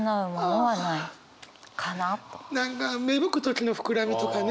何か芽吹く時の膨らみとかね！